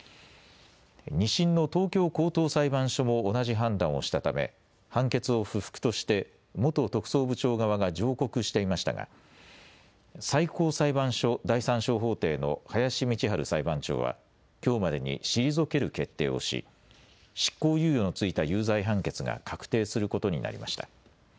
２審の東京高等裁判所も同じ判断をしたため判決を不服として元特捜部長側が上告していましたが最高裁判所第３小法廷の林道晴裁判長はきょうまでに退ける決定をし執行猶予の付いた有罪判決が確定することになりました。